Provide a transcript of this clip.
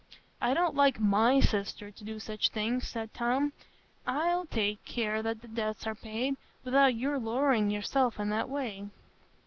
"I don't like my sister to do such things," said Tom, "I'll take care that the debts are paid, without your lowering yourself in that way."